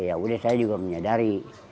ya udah saya juga menyadari